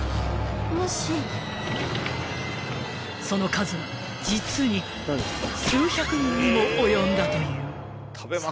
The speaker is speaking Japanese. ［その数は実に数百人にも及んだという］